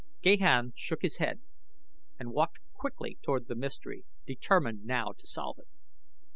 Gahan shook his head and walked quickly toward the mystery, determined now to solve it.